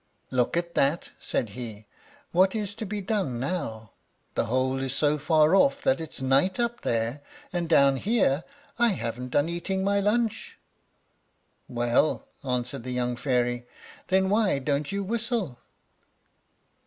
"Look at that," said he; "what is to be done now? the hole is so far off that it's night up there, and down here I haven't done eating my lunch." "Well," answered the young fairy, "then why don't you whistle?"